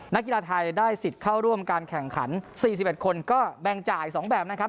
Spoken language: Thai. นักกีฬาไทยได้สิทธิ์เข้าร่วมการแข่งขัน๔๑คนก็แบ่งจ่าย๒แบบนะครับ